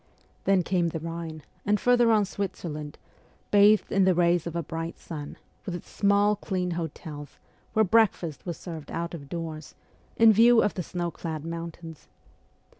Then came the Rhine, and further on Switzerland, bathed in the rays of a bright sun, with its small, clean hotels, where breakfast was served out of doors, in view of the snow clad mountains.